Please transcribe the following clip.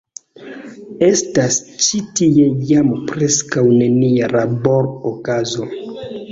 Estas ĉi tie jam preskaŭ nenia labor-okazo.